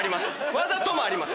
わざともあります。